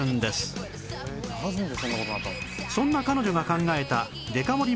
そんな彼女が考えたデカ盛り